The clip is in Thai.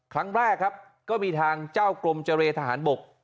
ครั้งแรกครับก็มีทางเจ้ากรมเจรทหารบก